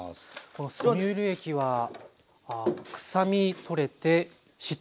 このソミュール液はくさみ取れてしっとり仕上がる。